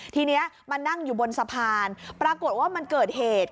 ทีนี้มานั่งอยู่บนสะพานปรากฏว่ามันเกิดเหตุ